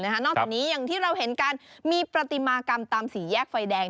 นอกจากนี้อย่างที่เราเห็นกันมีปฏิมากรรมตามสี่แยกไฟแดง